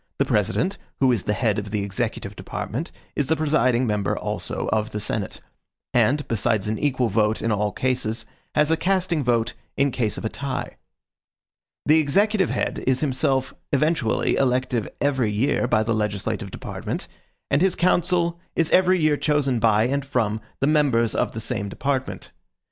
The President, who is the head of the executive department, is the presiding member also of the Senate; and, besides an equal vote in all cases, has a casting vote in case of a tie. The executive head is himself eventually elective every year by the legislative department, and his council is every year chosen by and from the members of the same department.